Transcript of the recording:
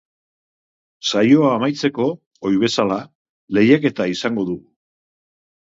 Saioa amaitzeko, ohi bezala, lehiaketa izango dugu.